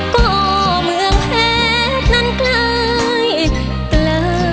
ก็เมืองแพทย์นั้นใกล้